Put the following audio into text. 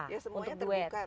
ya semuanya terbuka